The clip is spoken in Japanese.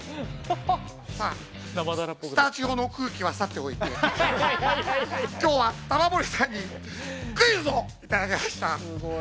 スタジオの空気はさておいて、今日は玉森さんにクイズをいただきました。